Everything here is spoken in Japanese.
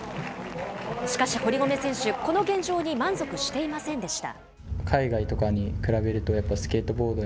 しかし、堀米選手、この現状に満足していませんでした。